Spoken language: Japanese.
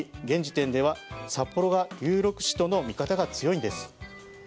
現時点では札幌が有力視との見方が強いんです。